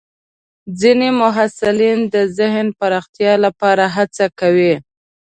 ځینې محصلین د ذهن پراختیا لپاره هڅه کوي.